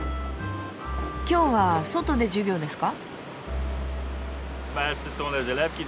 今日は外で授業ですか？